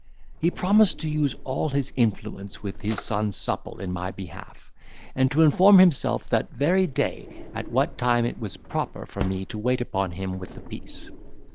He promised to use all his influence with his son Supple in my behalf, and to inform himself that very day at what time it was proper for me to wait upon him with the piece.